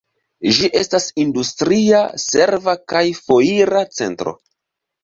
Ĝi estas industria, serva kaj foira centro.